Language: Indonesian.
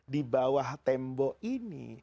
di bawah tembok ini